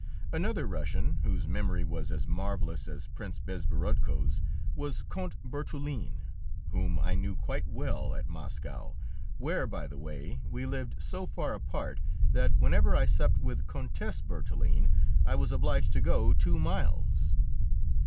Another Russian, whose memory was as marvellous as Prince Bezborodko's, was Count Buturlin, whom I knew quite well at Moscow, where, by the way, we lived so far apart that whenever I supped with Countess Buturlin I was obliged to go two miles.